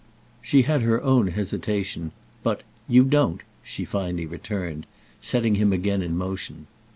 She had her own hesitation, but "You don't!" she finally returned, setting him again in motion.